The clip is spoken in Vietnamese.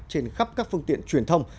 trên khắp các phương tiện truyền thông